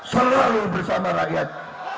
selalu bersama rakyat